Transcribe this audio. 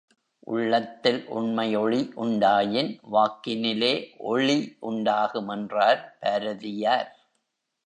உள்ளத்தில் உண்மையொளி உண்டாயின், வாக்கினிலே ஒளி உண்டாகும் என்றார் பாரதியார்.